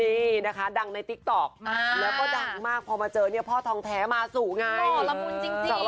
นี้นะคะดังในติ๊กต๊อกแล้วก็ดังมากพอมาเจอพ่อทองแท้มาสู่ไง